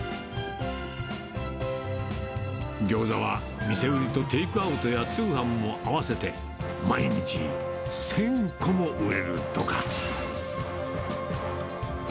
ギョーザは店売りとテイクアウトや通販を合わせて、毎日、１０００個も売れるとか。